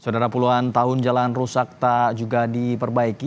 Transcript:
saudara puluhan tahun jalan rusak tak juga diperbaiki